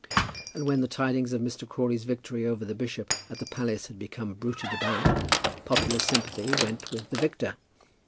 And when the tidings of Mr. Crawley's victory over the bishop at the palace had become bruited about, popular sympathy went with the victor.